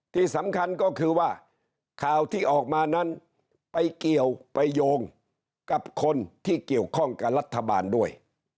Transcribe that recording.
ที่สำคัญก็คือว่าข่าวที่ออกมานั้นไปเกี่ยวไปโยงกับคนที่เกี่ยวข้องกับรัฐบาลด้วย